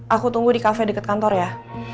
aku tunggu di cafe deket kantor ya